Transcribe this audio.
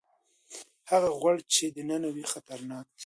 هغه غوړ چې دننه وي خطرناک دي.